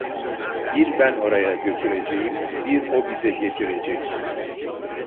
Bir ben oraya götüreceğim, bir o bize getirecek.